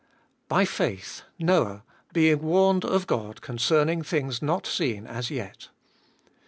By faith Noah, being warned of God concerning things not seen as yet.